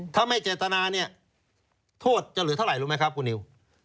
ถ้าไม่เจตนาเนี่ยโทษจะเหลือเท่าไหร่รู้ไหมครับคุณนิว